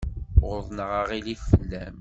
Uḍneɣ aɣilif fell-am.